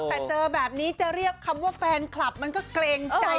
แต่เจอแบบนี้จะเรียกคำว่าแฟนคลับมันก็เกรงใจ